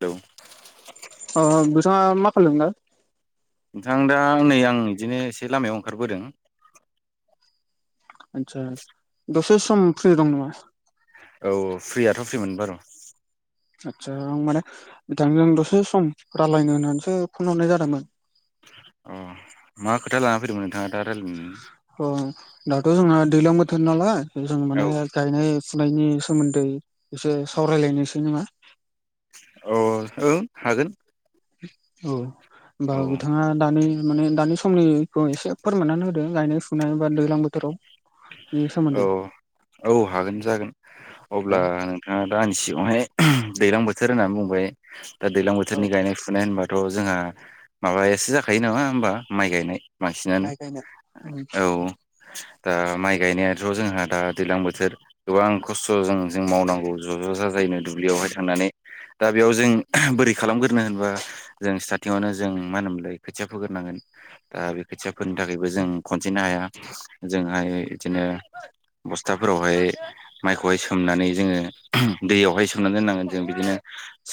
Hello औ औ नोंथाङा मा खालायदों मोन्थाय? नोंथां दा नै आं बिदिनो एसे लामायाव ओंखारबोदों। आदसा दसे सम फ्रि दं नोङा? औ फ्रियाथ' फ्रि मोन बारु। आदसा आं माने बिथांजों दसे सम रालायनो होननानैसो फन हरनाय जादोंमोन। अ मा खोथा लाना फैदोंमोन नोंथाङा दा रा [unintelligible] अ दाथ' जोंना दैलां बोथोर नालाय जों औ माने गायनाय फुनायनि सोमोन्दै एसे सावरायलायनोसै नामा? अ ओं हागोन। औ होमबा औ बिथाङा दानो माने दानिस समनिखौ एसे फोरमाननानै होदो गायनाय फुनाय बा दैलां बोथोराव। नि औ सोमोन्दै औ हागोन जागोन अब्ला औ नों थाङा दा आंनि सिगावहाय दैलां बोथोर होननानै बुंबाय दा दैलां औ बोथोरनि गायनाय फु फुनाय होनबाथ' जोंहा माबायासो जाखायो नामा होमबा माइ गायनाय बांसिनानो माइ गायनाय औ। दा माइ गायनायाथ' जोंहा दा दैज्लां बोथोर गोबां खस्थ' जों जों मावनांगौ ज' ज' जाजाय नो दुब्लियावहाय थांनानै। दा बेयाव जों बोरै खालामगोरनो होनबा जों स्टार्टिंआवनो जों मा होनोमोनलाय खोथिया फोग्रोनांगोन। दा बे खोथियाफोरनि थाखायबो जों खनसनो हाया जोंहाय इदिनो बस्थाफोरावहाय माइखौहाय सोमनानै जोङो दैयावहाय सोमना दोननांगोन जों बिदिनो।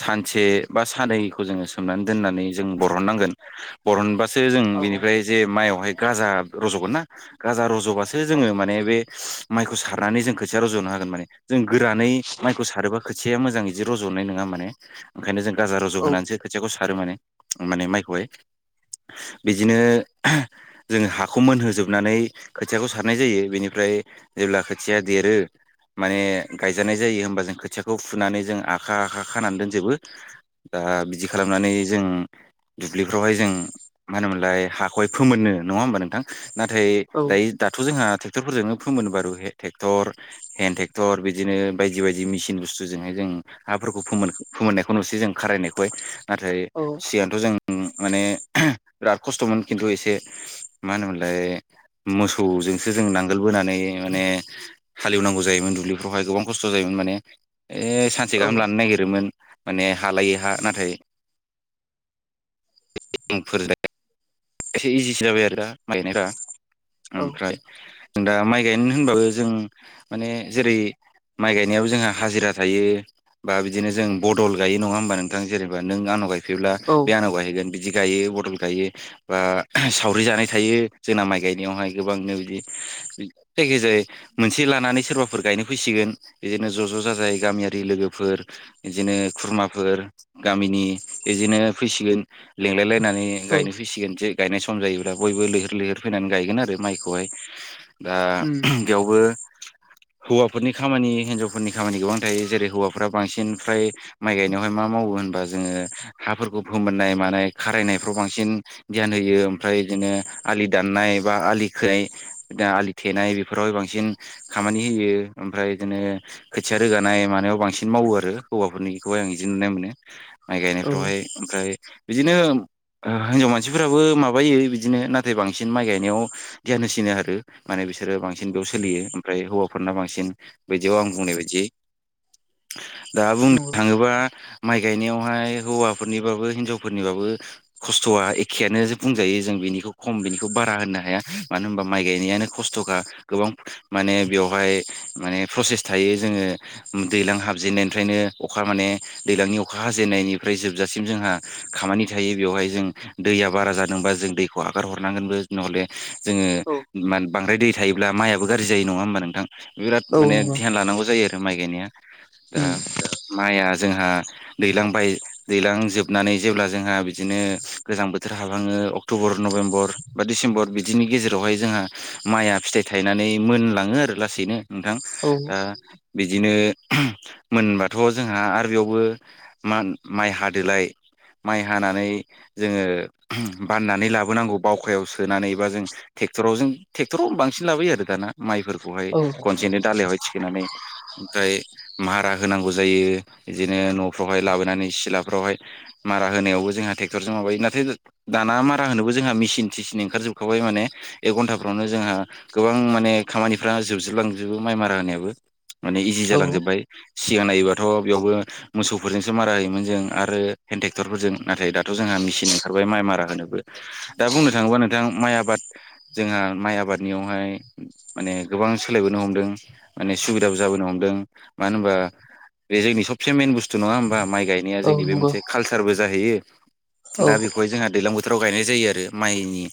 सानसे बा सानैखौ जोङो सोमनानै दोननानै जों बरननांगोन। बरनबासो जों बिनिफ्राय जे माइआवहाय गाजा रज'गोन ना गाजा रज'बासो सो औ जोङो माने बे माइखौ सारनानै जों खोथिया रज'नो हागोन माने। जों गोरानै माइखौ सारोबा खोथिया मोजां इदि रज'नाय नङा माने ओंखायनो जों राजा रज' औ होनानैसो खोथियाखौ सारो माने माने माइखौहाय। बिदिनो जोङो हाखौ मोनहोजोबनानै खोथियाखौ सारनाय जायो बेनिफ्राय जेब्ला खोथिया देरो माने गायजानाय जायो होमबा जों खोथियाखौ फुनानै जों आखा आखा खानानै दोनजोबो। जाहा बिदि खालामनानै जों दुब्लिफ्रावहाय जों मा होनोमोनलाय हाखौहाय फोमोननो नङा होमबा नोंथां? नाथाय औ दायो दाथ' जोंहा ट्रेक्टरफोरजोंनो फोमोनो बारु टेक्टर हेन्द ट्रेक्टर बिदिनो बायदि बायदि मेसिन बुस्थुजोंहाय जों हाफोरखौ फोमोन फोमोननायखौ नुसै जों खारायनायखौहाय नाथाय औ सिगांथ' जों माने बिराद खस्थ'मोन खिन्थु एसे मा होनोमोनलाय मोसौजोंसो जों नांगोल बोनानै माने हालेवनांगौ जायोमोन दुब्लिफ्रावहाय गोबां खस्थ' जायोमोन माने ओइ सानसे औ गाहाम लानो नागिरोमोन। माने हा लायै हा नाथाय [inaudible] एसे इजिसो जाबाय आरो दा गायनायफ्रा ओमफ्राय जों दा माइ गायनो होनबाबो जों माने जेरै माइ गायनायाव जोंहा हाजिरा थायो। बा बिदिनो जों बदल गायो नङा होमबा नोंथां? जेनेबा नों आंनाव गाय फैब्ला औ बे आंनाव गायहैगोन बिदि गायो बदल गायो। बा सावरि जानाय थायो जोंना माइ गायनायावहाय गोबांनो बिदि जायखि जाय मोनसे लानानै सोरबाफोर गायनो फैसिगोन इदिनो ज' ज' जाजाय गामियारि लोगोफोर इदिनो खुरमाफोर गामिनि इदिनो फैसिगोन। लिंलाय लायनानै औ गायनो फैसिगोन। जे गायनाय सम जायोब्ला बयबो लैहोर लैहोर फैनानै गायगोन आरो माइखौहाय आ उम बियावबो हौवाफोरनि खामानि हिनजाव फोरनि खामानि गोबां थायो जेरै हौवाफ्रा बांसिन फ्राय माइ गायनायावहाय मा मावो होनबा जोङो हाफोरखौ फोमोननाय मानाय खारायनायफ्राव बांसिन गियान होयो ओमफ्राय इदिनो आलि दाननाय बा आलि खोनाय आलि थेनाय बेफोरावहाय बांसिन खामानि होयो ओमफ्राय बिदिनो खोथिया रोगानाय मानायाव बांसिन मावो आरो हौवाफोरनिखौहाय आं बिदि नुनाय मोनो माइ औ गायनायफ्रावहाय ओमफ्राय बिदिनो ओ हिनजाव मानसि मानसिफ्राबो माबायो बिदिनो नाथाय बांसिन माइ गायनायाव गियानहोसिनो आरो माने बिसोरो बांसिन बेयाव सोलियो ओमफ्राय हौवाफोरना बांसिन बैदियाव आं बुंनाय बायदि दा बुंनो नंगौ थाङोबा माइ गायनायावहाय हौवाफोरनिबाबो हिनजावफोरनिबाबो खस्थ'आ ए खेयानो जे बुंजायो जों बेनिखौ खम बेनिखौ बारा होनो हाया मानो होनबा माइ गायनायानो खस्थ'खा गोबां माने बेवहाय माने प्रसेस थायो जोङो दैलां हाबजेननायनिफ्रायनो अखा माने दैलांनि अखा हाजेननायनिफ्राय जोबजासिम जोंहा खामानि थायो बेवहाय जों दैया बारा जादोंबा जों दैखौ आगार हरनांगोनबो नहले जोङो औ मान बांद्राय दै थायोब्ला माइयाबो गाज्रि जायो नङा होमबा नोंथां बिराद औ माने नंगौ ध्यान लानांगौ जायो आरो दा माइ गायनाया दा [inaudible] माइआ जोंहा दैलां बाय दैलां जोबनानै जेब्ला जोंहा बिदिनो गोजां बोथोर हाबलाङो अक्ट'बर नभेम्बर बा डिसेम्बर बिदिनि गेजेरावहाय जोंहा माइआ फिथाइ थायनानै मोनलाङो आरो लासैनो नोंथां औ ओ बिदिनो मोनबाथ' जोंहा आरो बेयावबो मान माइ हादोलाय माइ हानानै जोङो बाननानै लाबोनांगौ बावखायाव सोनानै बा जों टेक्टराव जों टेक्टराव बांसिन लाबोयो आरो दाना माइफोरखौहाय औ खनसेनो दालायावहाय थिखांनानै ओमफ्राय मारा होनांगौ जायो बिदिनो न'फ्रावहाय लाबोनानै सिलाफ्रावहाय मारा होनायावबो जोंहा टेक्ट'रजों माबायो नाथाय दा दाना मारा होनोबो जोंहा मेसिन टिसिन ओंखारजोबखाबाय माने एक घन्टाफ्रावनो जोंहा गोबां माने खामानिफ्रा जोबस्रलांजोबो माइ मारा होनायाबो माने इजि औ जालांजोबबाय सिगां नायोबाथ' बेयावबो मोसौफोरजोंसो मारा होयोमोन जों आरो हेन्द टेक्टरफोरजों नाथाय दा थ' जोंहा मेचिन ओंखारबाय माइ मारा होनोबो दा बुंनो थाङोबा नोंथां माइ आबाद जोंहा माइ आबादनियावहाय माने गोबां सोलायबोनो हमदों माने सुबिदाबो जाबोनो हमदों मानो होनबा बे जोंनि सबसे मेन बुस्थु नङा होमबा माइ गायनाया औ जोंनि बे नंगौ मोनसे कालसारबो जाहैयो औ दा बेखौहाय जोंहा दैज्लां बोथोराव गायनाय जायो आरो माइनि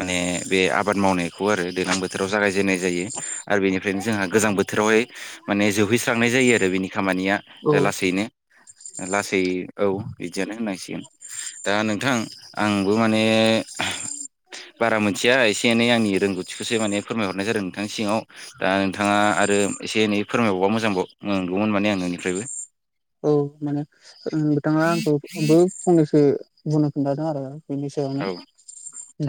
माने बे आबाद मावनाय खौ आरो दैलां बोथोराव जागायजेननाय जायो आरो बेनिफ्रायनो जोंहा गोजां बोथोरावहाय माने जोबहैस्रांनाय जायो आरो बिनि खामानिया औ ओ लासैनो ओ लासै औ बिदियानो होननांसिगोन दा नोंथां आंबो माने बारा मोनथिया एसे एनै आंनि रोंगौथिखौसो माने फोरमायहरनाय जादों नोंथांनि सिगाङाव दा नोंथाङा आरो एसे एनै फोरमायबावबा मोजांबाव मोनगौमोन माने आं नोंनिफ्रायबो औ माने बिथाङा आंखौबो फंनैसो बुंनो खिन्थादों आरो बिनि सायावनो औ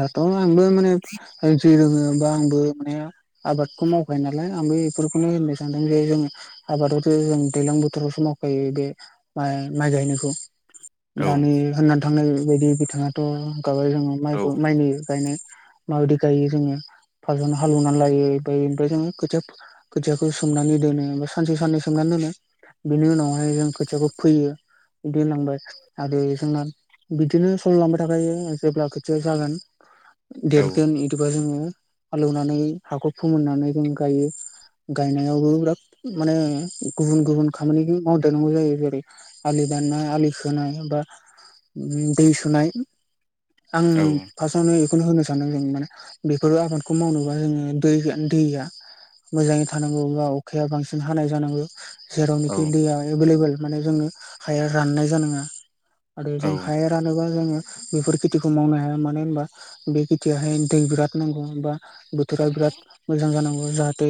दाथ' आंबो माने जि रोङो बा आंबो माने आबादखौ मावखायो नालाय आंबो एफोरखौनो होननो सानदों जे जोंङो आबादखौथ' जों दैलां बोथोरावसो माव ओइ बे माइ माइ गायनायखौ औ दानि होननानै थांनाय बायदि बिथाङाथ' होनखाबाय जोङो औ माइखौ माइनि गायनाय माबायदि गायो जोङो फालजोंनो हालौनानै लायो ओमफ्राय जोङो खोथिया खोथियाखौ सोमनानै दोनो बा सानसे साननै सोमनानै दोनो बेनि उनाव जों खोथियाखौ फैयो बिदि होन लांबाय आरो जोंना बिदिनो सलि लांबाय थाखायो जेब्ला खोथिया जागोन औ देरगोन इदिबा जोङो हालेवनानै हाखौ फोमोननानै जों गायो। गायनायावबो बिराद माने गुबुन गुबुन खामानि मावदेरनांगौ जायो जेरै आलि दाननाय आलि खोनाय बा इदिनो दै सुनाय आं औ फार्स्टआवनो बेखौनो होनो सानदों जों माने बेफोरो आबादखौ मावनोबा जोंनो दैया दैया मोजाङै थानांगौ बा अखाया बांसिन हानाय जानांगौ। औ जेरावनोखि दैया एभेलेबोल माने जोंनो हाया राननाय जानाङा आरो औ जों हाया रानोबा जोङो बेफोर खेथिखौ मावनो हाया मानो होनबा बे खेथियाहाय दै बिराद नांगौ होन बा बोथोरा बिराद मोजां जानांगौ जाहाथे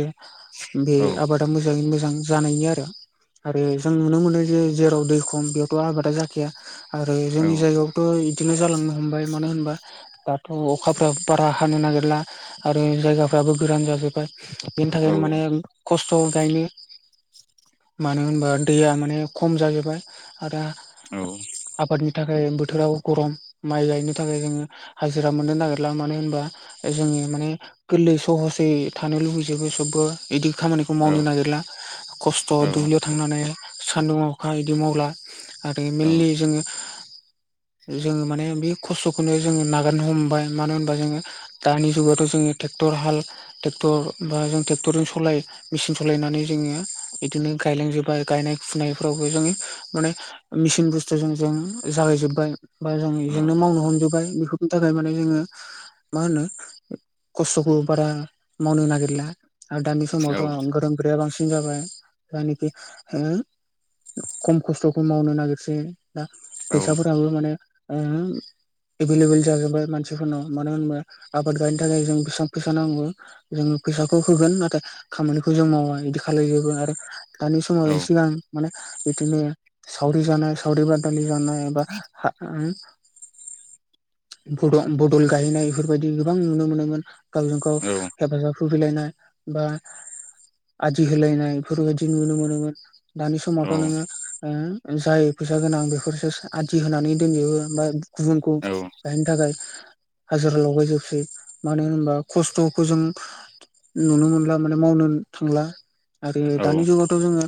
बे औ आबादा मोजां ङै मोजां जानायनि आरो। आरो जों नुनो मोनो जे जेराव दै खम बेयावथ' आबादा जाखाया आरो औ जोंनि जायगायावबोथ' इदिनो जालांनो हमबाय मानो होनबा दाथ' अखाफोराबो बारा हानो नागिरला आरो जायगाफ्राबो गोरान जाजोबबाय बेनि औ थाखायनो माने खस्थ' गायनो मानो होनबा दैया माने खम जाजोबबाय आरो औ औ। आबादनि थाखाय बोथोराव गरम माइ गायनो थाखाय जोङो हाजिरा मोननो नागिरला मानो होनबा ओ जोंनि माने गोरलै सहसै थानो लुुबैजोबो सबबो बिदि खामानिखौ मावनो नागिरला खस्थ' दुब्लियाव थांनानै सान्दुं अखा इदि मावला आरो मेनलि जोङो जोङो माने बे खस्थ'खौनो जोङो नागारनो हमबाय मानो होनबा जोङो दानि जुगावथ' जोङो ट्रेक्टर हाल ट्रेक्टर बा जों ट्रेक्टरजों सलाय मेचिन सलायनानै जोङो बिदिनो गायलांजोबो आरो गायनाय फुनायफ्रावबो जों माने मेसिन बुस्थुजों जों जागायजोब्बाय। बा जों बेजोंनो मावनो हमजोब्बाय बेफोर नि थाखाय माने जोङो मा होनो खस्थ'खौ बारा मावनो नागिरला आरो दानि समावथ' गोदान खोथाया बांसिन जाबाय जायनोखि खम खस्थ'खौ मावनो नागिरसै दा फैसाफोराबो माने ओम एभिलेबेल जाजोबबाय मानसिफोरनाव मानो होनबा आबाद गायनो थाखाय जों बेसेबां फैसा नांगौ जोङो फैसाखौ होगोन नाथाय खामानिखौ जों मावा इदि खालायजोबो आरो दानि समाव एसेबां माने बिदिनो सावरि जानाय सावरि बादालि जानाय बा [unintelligible] बदल गायनाय बेफोरबायदि गोबां नुनो मोनोमोन गावजों गाव हेफाजाब होफैलायनाय बा आदि होलायनाय इफोरबायदि नुनो मोनो दानि समावथ' नोङो ओम जाय फैसा गोनां बेफोरसो आदि होनानै दोनजोबो बा गुबुनखौ गायनो थाखाय हाजिरा लगायजोबसै मानो होनबा खस्थ'खौ जों नुनो मोनला माने मावनो थांला आरो दानि जुगावथ' जोङो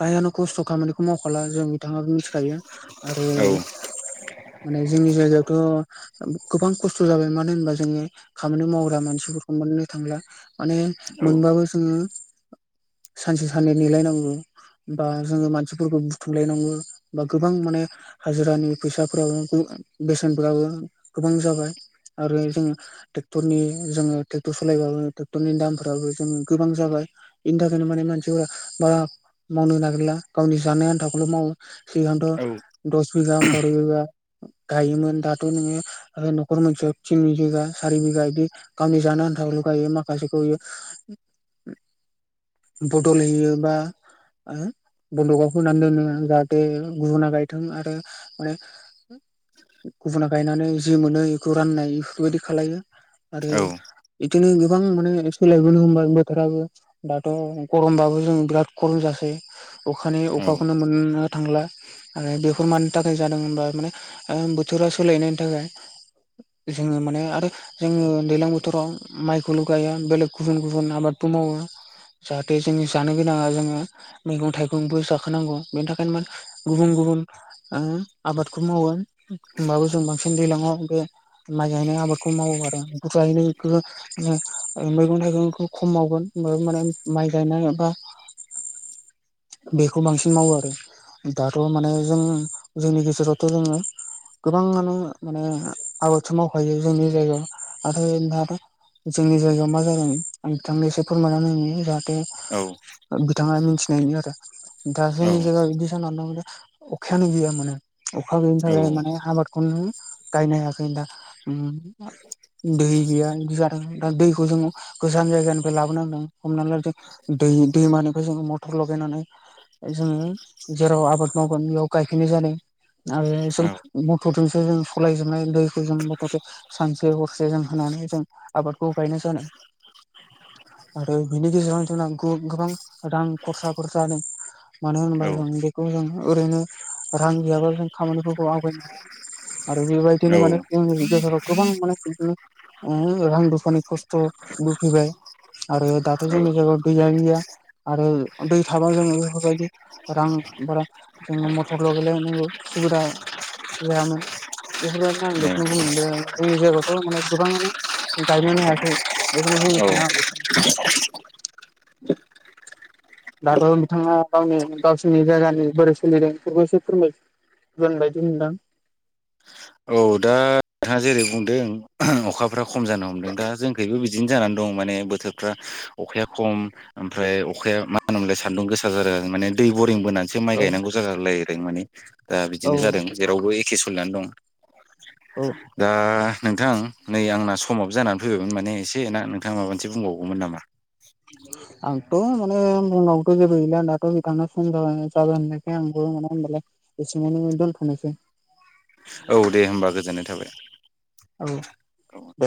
फ्रायानो खस्थ' खामानिखौ मावखाला जों नोंथाङाबो मिथिखायो आरो माने जोंनि जायगायावथ' गोबां खस्थ' जाबाय मानो होनबा जोंनि खामानि मावग्रा मानसिफोरखौ मोननो थांला माने मोनबाबो जोङो सानसे साननै नेलायनांगौ। बा जोङो मानसिफोरखौ बुथुमलायनांगौ बा गोबां माने हाजिरानि फैसाफोराबो बे-बेसेनफोराबो गोबां जाबाय आरो जोङो टेक्टरनि जोङो टेक्टर सलायबाबो टेक्टरनि दामफोराबो जोङो गोबां जाबाय इनि थाखायनो मान सिफोरा बा मावनो नागिरला गावनि जानाय आन्थाखौल' मावो सिगांथ' दस बिगा बार' बिगा गायोमोन दाथ' नोङो आरो न'खर मोनसेयाव तिन बिघा सारि बिघा बिदि गावनि जानो आथाब लगायो माखासेखौयो बदल होयोबा ओ बन्द'कआव होननानै दोनो जाहाथे गुबुना गायथों आरो माने गुबुना गायनानै जि मोनो बेखौ राननाय बेफोरबायदि खालामो आरो बिदिनो गोबां माने सोलायबोनो हमबाय बोथोराबो दाथ' गरमबाबो जों बिराद गरम जासै अखानि अखाखौनो मोननो थांला आरो बेफोर मानि थाखाय जादों होनबा माने बोथोरा सोलायनायनि थाखाय जोङो माने आरो जोङो दैज्लां बोथोराव माइखौल' गायो बेलेग गुबुन गुबुन आबादबो मावो जाहाथे जों जानो गोनाङा जोङो मैगं थाइगंबो जाखोनांगौ बेनि थाखायनो माने गुबुन गुबुन ओ आबादखौ मावो होमबाबो जों बांसिन दैज्लाङाव बे माइ गायनाय आबादखौ मावो आरो बुरजायै बेफोरो ओ मैगं थाइगंखौ खम मावगोन माने माइ गायनाय एबा बेखौ बांसिन मावो आरो दाथ' माने जों जोंनि गेजेरावथ' जोङो गोबाङानो माने आबादसो मावफायो जोंनि जायगायाव आरो दाथ' जोंनि जायगायाव मा जादों आं नोंथांनो एसे फोरमायना होनि जाहाथे औ बिथाङा मिथिनायनि आरो दा जोंनि जायगायाव बिदि जाना दं दा अखायानो गैयामानानो अखा गैयिनि थाखाय माने आबादखौनो गायनो हायाखै नोंथां उम आ [unintelligible] दै गैया बिदि जादों दा दैखौ जोङो गोजान जायगानिफ्राय लाबोनांदों हमनानै ला जों दै दैमानिफ्राय जोङो मटर लगायनानै जोङो जेराव आबाद मावगोन बेयाव गायफैनाय जादों आरो जों मथरजोंसो जों सालायजोबनाय दैखौ जों मथर सानसे हरसे जों होनानै जों आबादखौ गायनाय जानाय आरो बेनि गेजेराव जोंना गोबां रां खरसा खरसा जादों मानो होनोबा जों बेखौ जों ओरैनो रां गैयाब्ला जों खामानिफोरखौ आवगायनो हाया आरो बेबायदि माने जोंनि गेजेराव गोबां माने बिदिनो रां रुफानि खस्थ'बो फैबाय आरो दाथ' जोंनि जायगायाव दैया गैया आरो दै थाबा जोङो बेफोरबायदि रां बारा जोङो मथरल' गेलायनांगौ सुबिदा जायामोन बेफोरबायदिनो आं बेखौनो बुंनो मोनदों जोंनि जायगायावथ' माने गोबाङानो गायनोनो हायाखै बेखौनो औ बुनो सानो आं [unintelligible] [inaudible] दाथ' बिथाङा गावनि गावसिनि जायगानि बोरै सोलिदों बेफोरखौ एसे फोरमाय दोनबायदि नोंथां औ दा नोंथाङा जेरै बुंदों अखाफ्रा खम जानो हमदों दा जोंखैबो बिदिनो जानानै दं माने बोथोरफ्रा अखाया खम ओमफ्राय अखाया मा होनो मोनलाय सान्दुं गोसा जादों माने दै बरिं बोनानै सो माइ औ गायनांगौ जागोलायदों माने दा औ बिदिनो जादों जेरावबो एखे सोलिनानै दं औ दा नोंथां नै आंना समाव जानानै फैबायमोन माने एसे ना नोंथां माबा मोनसे बुंबावगौमोन नामा नोंगो [unintelligible] आंथ' माने बुंनांगौथ' जेबो गैला दाथ' नोंथाङा सम जाब आं माने होनाय [unintelligible] बेसे मान दल फस [unintelligible] औ दे होमबा गोजोननाय थाबाय। औ। औ दे।